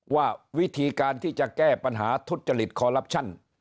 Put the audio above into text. ว่าวิธีการที่จะแก้ปัญหาทุจริตคอลลับชั่น